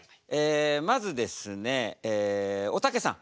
まずですねおたけさん。